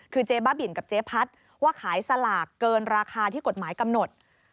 คือเจ๊บ้าบินกับเจ๊พัดว่าขายสลากเกินราคาที่กฎหมายกำหนด